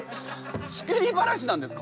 作り話なんですか？